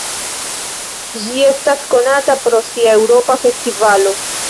Ĝi estas konata pro sia Eŭropa festivalo.